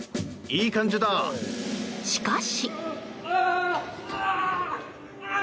しかし。